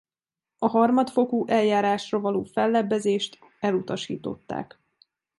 A harmadfokú eljárásra való fellebbezést elutasították.